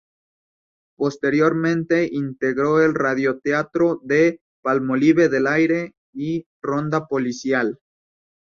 Posteriormente integró el radioteatro de "Palmolive del aire" y "Ronda policial".